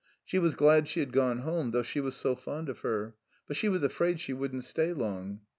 She was glad she had gone home, though she was so fond of her. But she was afraid she wouldn't stay long.